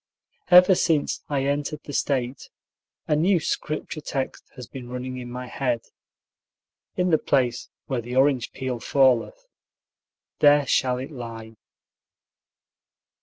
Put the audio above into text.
Ever since I entered the State a new Scrip ture text has been running in my head: In the place where the orange peel falleth, there shall it lie.